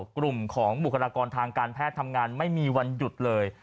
กลุ่มของบุคลากรทางการแพทย์ทำงานไม่มีวันหยุดเลย